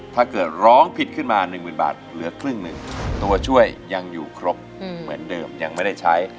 ถ้าเกิดร้องผิดขึ้นมา๑๐๐๐บาทเหลือครึ่งหนึ่งตัวช่วยยังอยู่ครบเหมือนเดิมยังไม่ได้ใช้